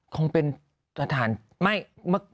คงเป็นสถานการณ์